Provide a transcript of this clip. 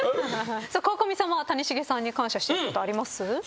川上さんは谷繁さんに感謝してることあります？